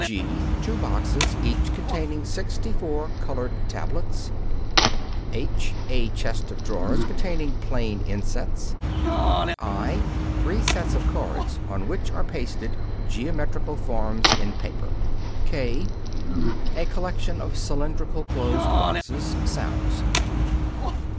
(g) Two boxes, each containing sixty four colored tablets. (h) A chest of drawers containing plane insets. (i) Three series of cards on which are pasted geometrical forms in paper. (k) A collection of cylindrical closed boxes (sounds).